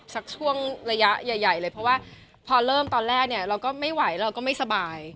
สักช่วงระยะใหญ่เลยเพราะว่าพอเริ่มตอนแรกเนี่ยเราก็ไม่ไหวเราก็ไม่สบาย